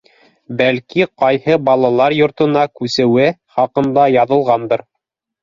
Бәлки, ҡайһы балалар йортона күсеүе хаҡында яҙылғандыр.